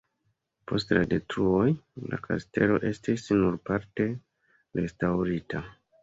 Post la detruoj la kastelo estis nur parte restaŭrita.